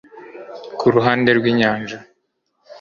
Kuruhande rwinyanja